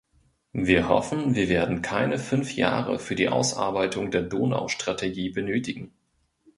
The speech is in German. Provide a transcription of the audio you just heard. Wir hoffen, wir werden keine fünf Jahre für die Ausarbeitung der Donaustrategie benötigen.